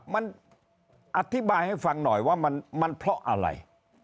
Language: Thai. มันอธิบายให้ฟังหน่อยว่ามันเพราะอะไร